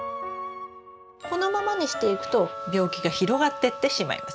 このままにしておくと病気が広がってってしまいます。